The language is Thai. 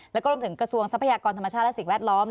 แล้วก็รวมถึงกระทรวงทรัพยากรธรรมชาติและสิ่งแวดล้อม